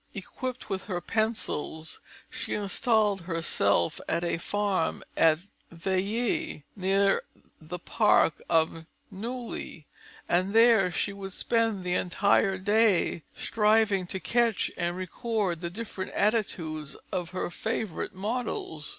Equipped with her pencils, she installed herself at a farm at Villiers, near to the park of Neuilly, and there she would spend the entire day, striving to catch and record the different attitudes of her favourite models.